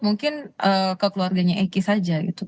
mungkin ke keluarganya eki saja gitu